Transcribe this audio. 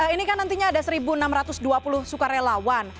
ini kan nantinya ada satu enam ratus dua puluh sukarelawan